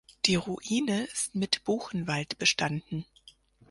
Die Ruine ist mit Buchenwald bestanden.